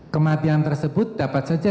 kematian tersebut dapat saja